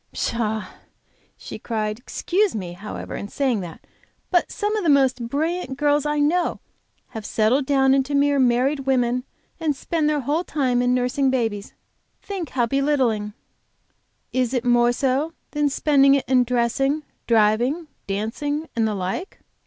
"Pshaw!" cried she. "Excuse me, however, saying that; but some of the most brilliant girls I know have settled down into mere married women and spend their whole time in nursing babies! Think how belittling!" "Is it more so than spending it in dressing, driving, dancing, and the like?"